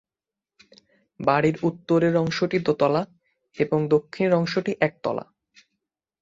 বাড়ির উত্তরের অংশটি দোতলা এবং দক্ষিণের অংশটি একতলা।